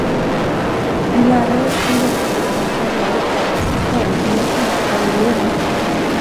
En lärares tillrättavisning kan ibland uppfattas som förödmjukande av eleven.